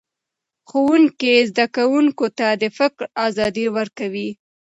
ښوونکی زده کوونکو ته د فکر ازادي ورکوي